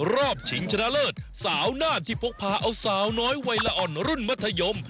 รอบชิงชนะเลิศสาวน่านที่พกพาเอาสาวน้อยวัยละอ่อนรุ่นมัธยม